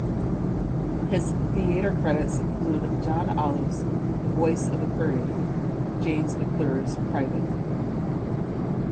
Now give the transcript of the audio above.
His theater credits include John Olive's "The Voice of the Prairie", James McLure's "Pvt.